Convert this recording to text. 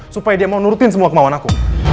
supaya dia mau nurutin semua kemauan aku